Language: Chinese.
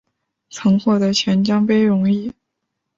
曾获得钱江杯荣誉。